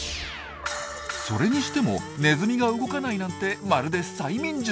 それにしてもネズミが動かないなんてまるで催眠術。